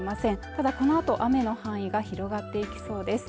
ただこのあと雨の範囲が広がっていきそうです